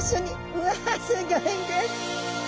うわすギョいです！